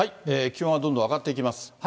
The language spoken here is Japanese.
気温はどんどん上がっていきます。